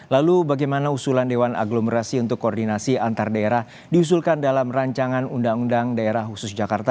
lalu bagaimana usulan dewan aglomerasi untuk koordinasi antar daerah diusulkan dalam rancangan undang undang daerah khusus jakarta